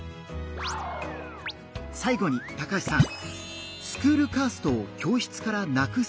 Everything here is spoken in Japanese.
最後に高橋さん。